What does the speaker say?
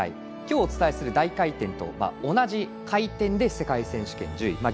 今日、お伝えする大回転と同じ回転で世界選手権１０位。